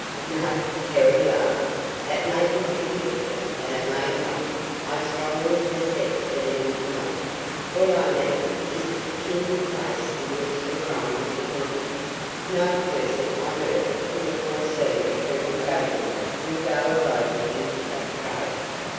"No," Terry laughed. "That may be significant and it may not I strongly suspect that it is not. What I mean, is the peculiar place in which the crime was committed. No person on earth could have foreseen that Colonel Gaylord would go alone into that cave.